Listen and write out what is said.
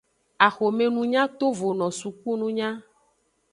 Axomenunya tovono sukununya.